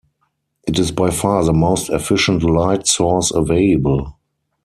It is by far the most efficient light source available.